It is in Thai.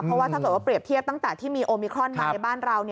เพราะว่าถ้าเกิดว่าเปรียบเทียบตั้งแต่ที่มีโอมิครอนมาในบ้านเรา